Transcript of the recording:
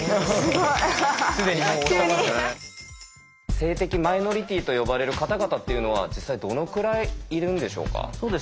性的マイノリティーと呼ばれる方々っていうのは実際どのくらいいるんでしょうか？